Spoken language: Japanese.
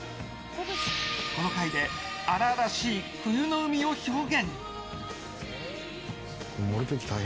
この貝で、荒々しい冬の海を表現。